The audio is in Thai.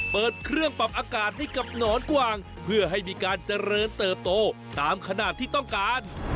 เปิดเครื่องปรับอากาศให้กับหนอนกวางเพื่อให้มีการเจริญเติบโตตามขนาดที่ต้องการ